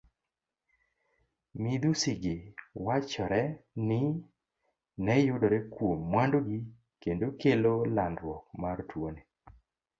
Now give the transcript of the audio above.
Midhusigi wachore ni neyudore kuom mwandugi kendo kelo landruok mar tuoni.